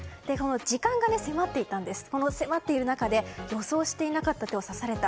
時間が迫っている中で予想していなかった手を指された。